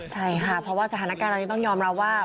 ใช่ค่ะเพราะว่าสถานการณ์ตอนนี้ต้องยอมรับว่า